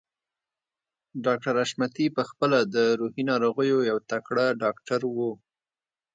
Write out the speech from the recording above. ډاکټر حشمتي په خپله د روحي ناروغيو يو تکړه ډاکټر و.